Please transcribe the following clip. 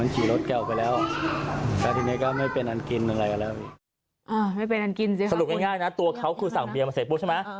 สรุปง่ายนะตัวเขาคือสั่งเบียร์มาเสร็จปุ๊บใช่ไหม